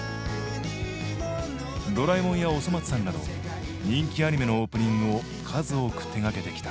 「ドラえもん」や「おそ松さん」など人気アニメのオープニングを数多く手がけてきた。